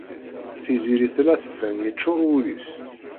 Tiziri tella tban yeččuṛ wul-is.